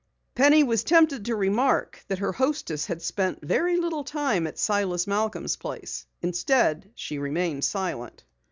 Penny was tempted to remark that her hostess had spent very little time at Silas Malcom's place. Instead she remained silent.